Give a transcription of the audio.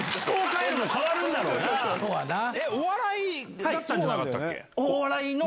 お笑いだったんじゃなかったお笑いの。